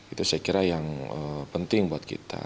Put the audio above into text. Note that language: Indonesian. itu saya kira yang penting buat kita